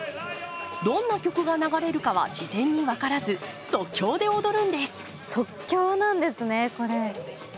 どんな曲が流れるかは事前に分からず即興で踊るんです。